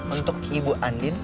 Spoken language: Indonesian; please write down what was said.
untuk ibu andin